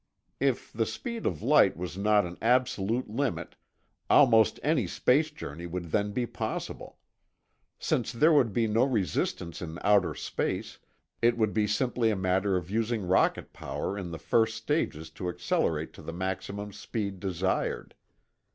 If the speed of light was not an absolute limit, almost any space journey would then be possible. Since there would be no resistance in outer space, it would be simply a matter of using rocket power in the first stages to accelerate to the maximum speed desired.